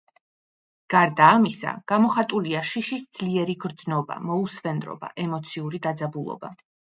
გარდა ამისა, გამოხატულია შიშის ძლიერი გრძნობა, მოუსვენრობა, ემოციური დაძაბულობა.